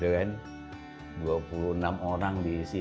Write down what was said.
dua puluh enam orang di sini kita paksain masuk semua harus hadir gitu